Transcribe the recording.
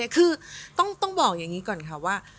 คือต้องบอกอย่างนี้ก่อนค่ะว่า